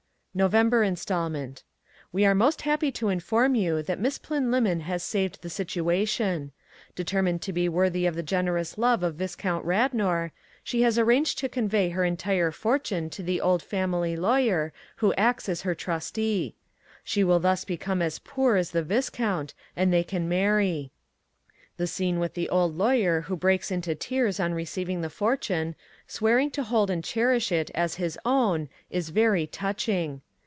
NOVEMBER INSTALMENT We are most happy to inform you that Miss Plynlimmon has saved the situation. Determined to be worthy of the generous love of Viscount Radnor, she has arranged to convey her entire fortune to the old family lawyer who acts as her trustee. She will thus become as poor as the Viscount and they can marry. The scene with the old lawyer who breaks into tears on receiving the fortune, swearing to hold and cherish it as his own is very touching.